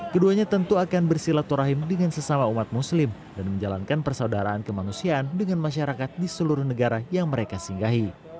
keduanya tentu akan bersilaturahim dengan sesama umat muslim dan menjalankan persaudaraan kemanusiaan dengan masyarakat di seluruh negara yang mereka singgahi